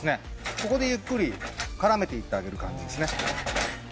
ここでゆっくり絡めていってあげる感じですね